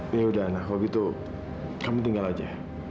ya udah nah kalau gitu kamu tinggal aja